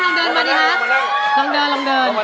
ไหนวิมลองเดินมาดีฮะ